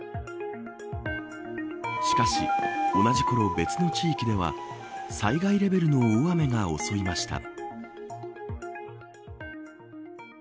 しかし、同じころ別の地域では災害レベルの大雨が襲いました。